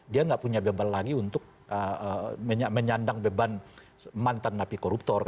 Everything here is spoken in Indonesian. dia nggak punya beban lagi untuk menyandang beban mantan napi koruptor